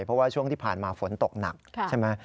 เพราะว่าช่วงที่ผ่านมาฝนตกหนักใช่ไหม